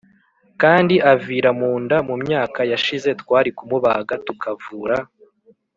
kandi avira mu nda Mu myaka yashize twari kumubaga tukavura